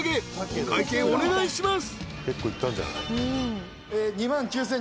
［お会計お願いします］